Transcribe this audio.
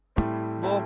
「ぼく」